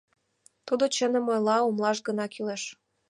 — Тудо чыным ойла, умылаш гына кӱлеш.